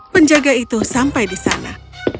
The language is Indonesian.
penjaga itu sampai di sana